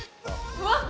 うわっ